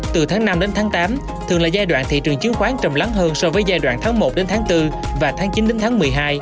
từ tháng năm đến tháng tám thường là giai đoạn thị trường chứng khoán trầm lắng hơn so với giai đoạn tháng một đến tháng bốn và tháng chín đến tháng một mươi hai